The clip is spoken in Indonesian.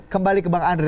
kembali ke bang andre